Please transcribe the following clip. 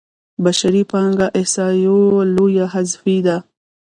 بشري پانګه احصایو لویه حذفي ده.